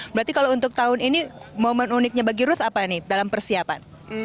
berarti kalau untuk tahun ini momen uniknya bagi ruth apa nih dalam persiapan